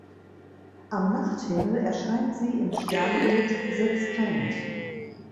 Am Nachthimmel erscheint sie im Sternbild Sextant.